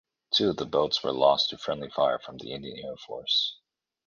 Two of the boats were lost to friendly fire from the Indian Air Force.